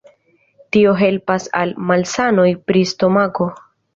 Tio helpas al malsanoj pri stomako.